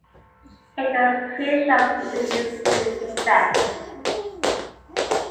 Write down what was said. Egan's creation was an instant success.